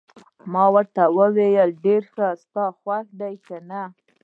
ما ورته وویل: ډېر ښه، ستا خوښه ده، که نه؟